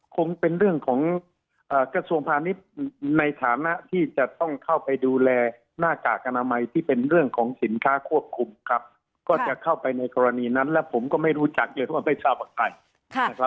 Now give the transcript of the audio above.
คงเป็นเรื่องของกระทรวงพาณิชย์ในฐานะที่จะต้องเข้าไปดูแลหน้ากากอนามัยที่เป็นเรื่องของสินค้าควบคุมครับก็จะเข้าไปในกรณีนั้นแล้วผมก็ไม่รู้จักเยอะเพราะว่าไม่ทราบกับใครนะครับ